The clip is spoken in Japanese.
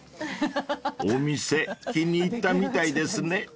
［お店気に入ったみたいですね］